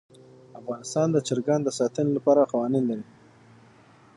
افغانستان د چرګان د ساتنې لپاره قوانین لري.